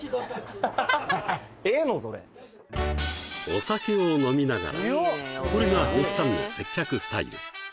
お酒を飲みながらこれがよっさんの接客スタイル